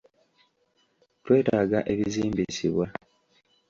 Twetaaga ebizimbisibwa.